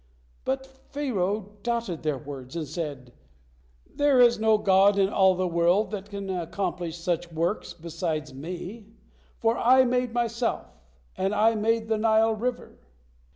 But Pharaoh doubted their words, and said, 'There is no God in all the world that can accomplish such works besides me, for I made myself, and I made the Nile river.'